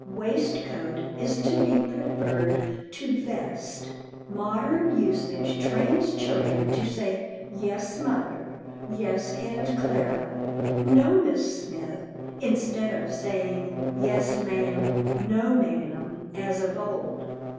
"Waistcoat" is to be preferred to "vest." Modern usage trains children to say "Yes, mother," "Yes, Aunt Clara," "No, Miss Smith," instead of "Yes, ma'am," "No, ma'am," as of old.